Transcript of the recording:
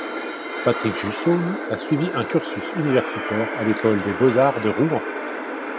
Patrick Jusseaume a suivi un cursus universitaire à l'école des Beaux-Arts de Rouen.